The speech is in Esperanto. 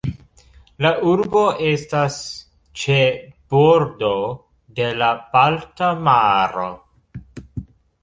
La urbo estas ĉe bordo de la Balta maro.